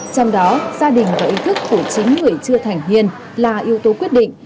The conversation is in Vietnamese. trong đó gia đình và ý thức của chính người chưa thành niên là yếu tố quyết định